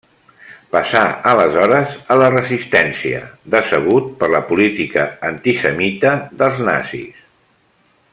Passà aleshores a la resistència, decebut per la política antisemita dels nazis.